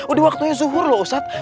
udah waktunya zuhur loh ustadz